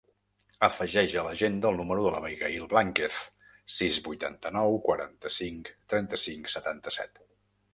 Afegeix a l'agenda el número de l'Abigaïl Blanquez: sis, vuitanta-nou, quaranta-cinc, trenta-cinc, setanta-set.